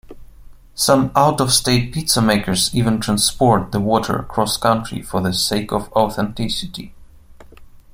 Some out-of-state pizza makers even transport the water cross-country for the sake of authenticity.